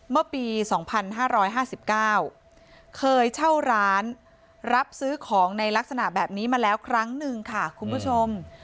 เมื่อปี๒๕๕๙เคยเช่าร้านรับซื้อของในลักษณะแบบนี้มาแล้วครั้งหนึ่งค่ะคุณผู้ชม